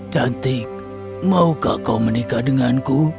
cantik maukah kau menikah denganku